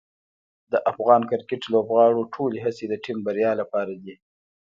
د افغان کرکټ لوبغاړو ټولې هڅې د ټیم بریا لپاره دي.